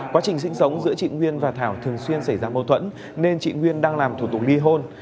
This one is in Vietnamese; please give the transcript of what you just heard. quá trình sinh sống giữa chị nguyên và thảo thường xuyên xảy ra mâu thuẫn nên chị nguyên đang làm thủ tục ly hôn